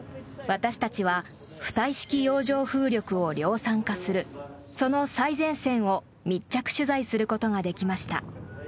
私たちは浮体式洋上風力を量産化するその最前線を密着取材することができました。